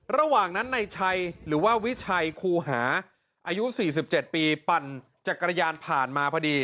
ระหว่างนั้นในชัยหรือว่าวิชัยครูหาอายุ๔๗ปีปั่นจักรยานผ่านมาพอดี